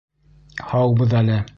Һаубыҙ әле.